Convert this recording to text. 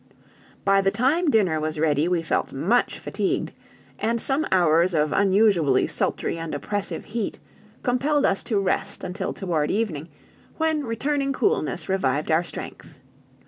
By the time dinner was ready we felt much fatigued, and some hours of unusually sultry and oppressive heat compelled us to rest until toward evening, when returning coolness revived our strength.